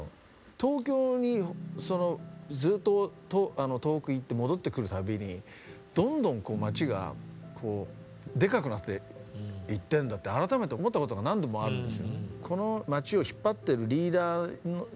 東京にそのずっと東北行って戻ってくる度にどんどん街がデカくなっていってるんだって改めて思ったことが何度もあるんです。